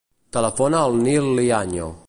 Telefona al Nil Liaño.